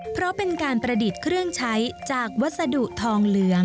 เพราะเป็นการประดิษฐ์เครื่องใช้จากวัสดุทองเหลือง